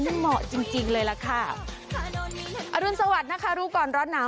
มันเหมาะจริงจริงเลยล่ะค่ะอรุณสวัสดิ์นะคะรู้ก่อนร้อนหนาว